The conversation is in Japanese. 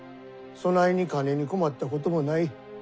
そないに金に困ったこともない。